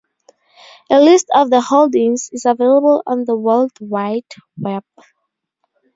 A list of the holdings is available on the World Wide Web.